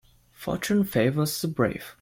Fortune favours the brave.